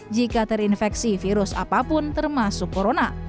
jika terinfeksi virus apapun termasuk corona